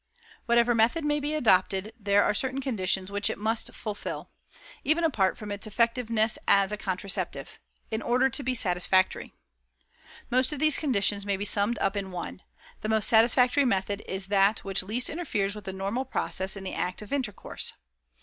"Whatever may be the method adopted, there are certain conditions which it must fulfill, even apart from its effectiveness as a contraceptive, in order to be satisfactory. Most of these conditions may be summed up in one: the most satisfactory method is that which least interferes with the normal process in the act of intercourse.